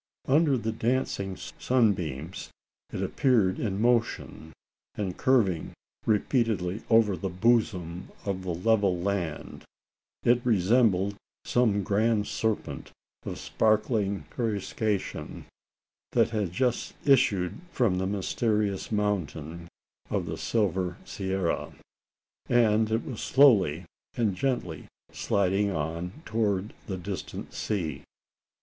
Under the dancing sunbeams, it appeared in motion; and, curving repeatedly over the bosom of the level land, it resembled some grand serpent of sparkling coruscation that had just issued from the mysterious mountains of the "Silver Sierra," and was slowly and gently gliding on towards the distant sea.